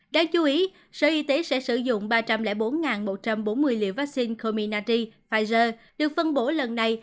đáng chú ý sở y tế sẽ sử dụng ba trăm linh bốn một trăm bốn mươi liều vaccine cominati pfizer được phân bổ lần này